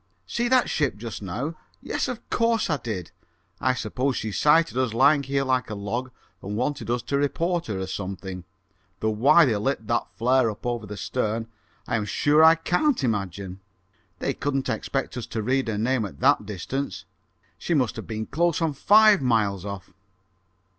"See that ship just now? Yes, of course I did. I suppose she sighted us lying here like a log and wanted us to report her or something, though why they lit that flare up over her stern I am sure I can't imagine. They couldn't expect us to read her name at that distance. She must have been close on five miles off!"